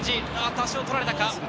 足を取られたか。